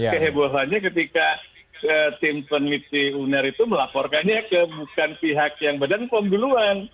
kehebohannya ketika tim peneliti uner itu melaporkannya ke bukan pihak yang badan pom duluan